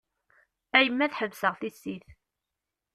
A yemma ad ḥebseɣ tissit.